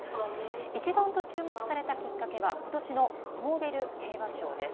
一段と注目されたきっかけはことしのノーベル平和賞です。